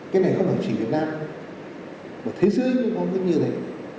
cái này không chỉ việt nam mà thế giới cũng có như thế